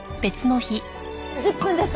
１０分です。